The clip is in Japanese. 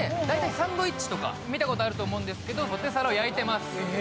だいたいサンドイッチとか見たことあると思うんですけどポテサラを焼いてます